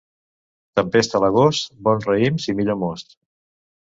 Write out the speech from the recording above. Tempesta a l'agost, bons raïms i millor most.